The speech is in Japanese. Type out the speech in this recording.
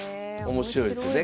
面白いですよね